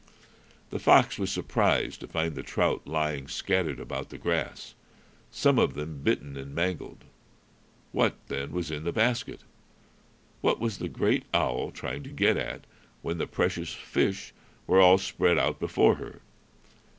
The fox was surprised to find the trout lying scattered about the grass, some of them bitten and mangled. What, then, was in the basket? What was the great owl trying to get at, when the precious fish were all spread out before her?